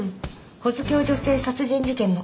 保津峡女性殺人事件の。